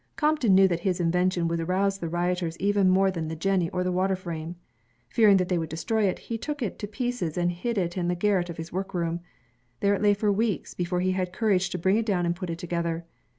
Crompton knew that his invention would arouse the rioters even more than the jenny or the water frame. Fearing that they would destroy it, he took it to pieces and hid it in the garret of his workroom. There it lay for weeks, before he had courage to bring it down and put it together.